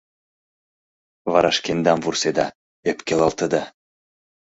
Вара шкендам вурседа, ӧпкелалтыда.